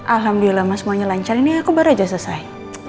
alhamdulillah mas semuanya lancar ini aku baru aja selesai